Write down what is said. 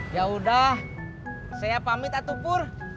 ya udah saya pamit atau pur